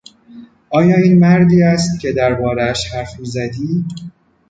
آیا این مردی است که دربارهاش حرف میزدی؟